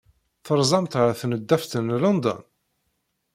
Terzamt ɣef Tneḍḍaft n London?